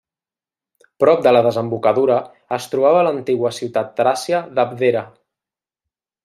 Prop de la desembocadura es trobava l'antiga ciutat tràcia d'Abdera.